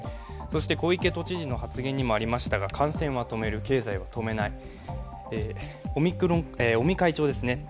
そして小池都知事の発言にもありましたが、感染は止める、経済は止めない。